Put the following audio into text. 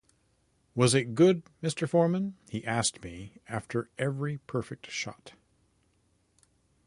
'Was it good, Mr. Forman? he asked me after every perfect shot.